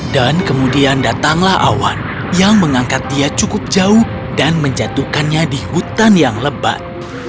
dan kemudian datanglah awan yang mengangkat dia cukup jauh dan menjatuhkannya di hutan yang lebat